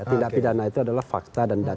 tindak pidana itu adalah fakta dan data